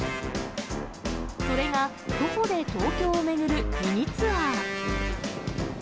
それが徒歩で東京を巡るミニツアー。